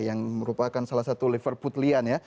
yang merupakan salah satu liverpoolian ya